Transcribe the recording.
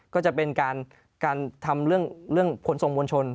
ก็จะเป็นการทำเรื่องขนส่งมวลชน